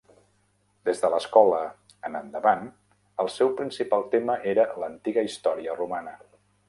Des de l'escola en endavant, el seu principal tema era l'antiga història romana.